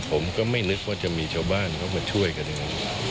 ผมก็ไม่นึกว่าจะมีชาวบ้านเขามาช่วยกัน